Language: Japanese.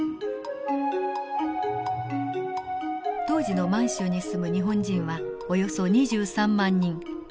当時の満州に住む日本人はおよそ２３万人。